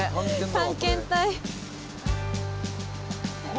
探検隊。